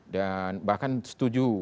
dan bahkan setuju